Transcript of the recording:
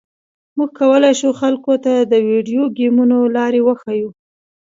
موږ کولی شو خلکو ته د ویډیو ګیمونو لارې وښیو